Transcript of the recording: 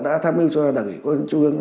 đã tham mưu cho đảng ủy của chủ trương